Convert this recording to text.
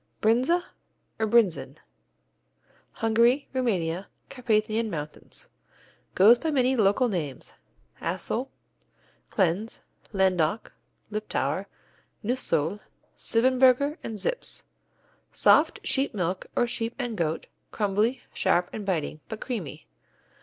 Brinza, or Brinsen Hungary, Rumania, Carpathian Mountains Goes by many local names: Altsohl, Klencz, Landoch, Liptauer, Neusohl, Siebenburgen and Zips. Soft, sheep milk or sheep and goat; crumbly, sharp and biting, but creamy.